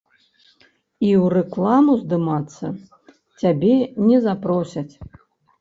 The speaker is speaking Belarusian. І ў рэкламу здымацца цябе не запросяць.